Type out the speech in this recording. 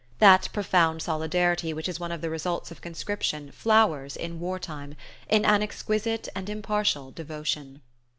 That profound solidarity which is one of the results of conscription flowers, in war time, in an exquisite and impartial devotion.